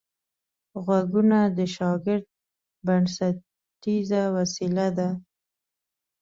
غوږونه د شاګرد بنسټیزه وسیله ده